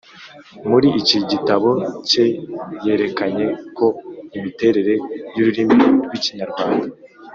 Muri iki gitabo ke yerekanye ko imiterere y’ururimi rw’Ikinyarwanda